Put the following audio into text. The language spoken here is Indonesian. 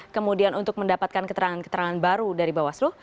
kemudian untuk mendapatkan keterangan keterangan baru dari bawaslu